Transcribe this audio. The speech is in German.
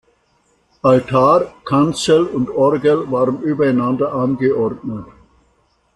Altar, Kanzel und Orgel waren übereinander angeordnet.